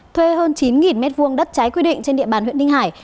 thuê hơn chín m hai đất trái quy định trên địa bàn huyện ninh hải